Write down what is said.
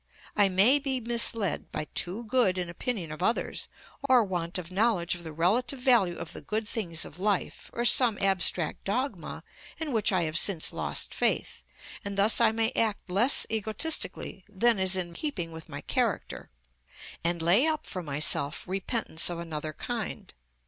I may be misled by too good an opinion of others, or want of knowledge of the relative value of the good things of life, or some abstract dogma in which I have since lost faith, and thus I may act less egotistically than is in keeping with my character, and lay up for myself repentance of another kind.